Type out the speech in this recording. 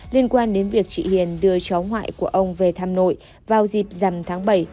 liên quan đến việc chị hiền đưa cháu ngoại của ông về thăm nội vào dịp dằm tháng bảy